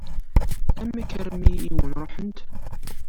Amek armi i wen-ṛuḥent?